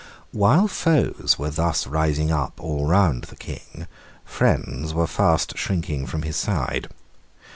While foes were thus rising up all round the King, friends were fast shrinking from his side.